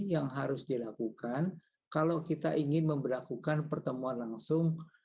yang harus dilakukan kalau kita ingin memperlakukan pertemuan langsung